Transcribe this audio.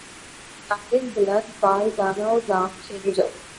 طائرک بلند بال دانہ و دام سے گزر